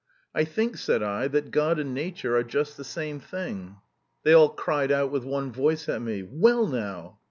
'I think,' said I, 'that God and nature are just the same thing.' They all cried out with one voice at me, 'Well, now!'